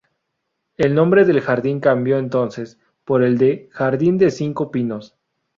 El nombre del jardín cambió entonces por el de "Jardín de los cinco pinos".